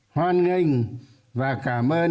hoan nghênh và cảm ơn